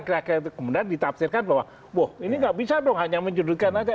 kemudian ditaftirkan bahwa wah ini nggak bisa dong hanya menjudutkan aja